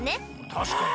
たしかに。